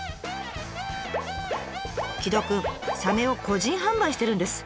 城戸くんサメを個人販売してるんです。